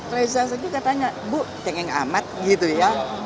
reza segini katanya bu cengeng amat gitu ya